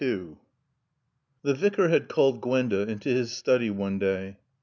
XXXII The Vicar had called Gwenda into his study one day.